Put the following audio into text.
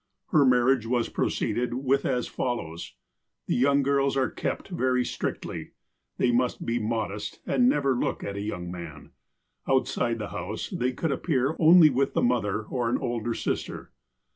Her marriage was proceeded with as follows : The young girls are kei^t very strictly. They must be modest, and never look at a young man. Outside the house they could appear only with the mother or an older sister.